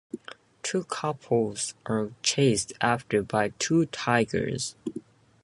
Two couples are chased after by two tigers.